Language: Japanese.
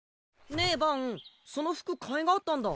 ねえバンその服替えがあったんだ。